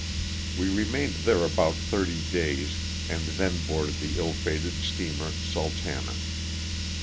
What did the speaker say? We remained there about thirty days and then boarded the ill fated steamer " Sultana."